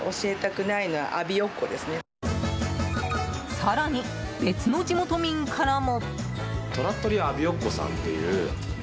更に、別の地元民からも。